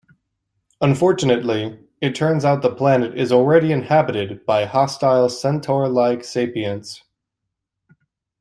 Unfortunately, it turns out the planet is already inhabited by hostile centaur-like sapients.